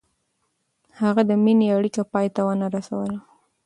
هغې د مینې اړیکه پای ته ونه رسوله.